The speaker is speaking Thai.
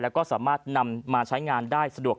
แล้วก็สามารถนำมาใช้งานได้สะดวก